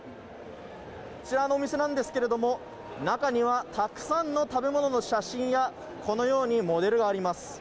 こちらのお店なんですけれども中にはたくさんの食べ物の写真やこのようにモデルがあります。